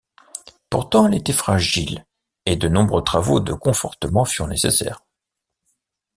Pourtant elle était fragile, et de nombreux travaux de confortement furent nécessaires.